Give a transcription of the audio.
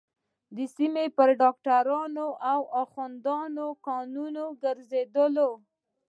د سيمې پر ډاکترانو او اخوندزاده گانو گرځېدلې وه.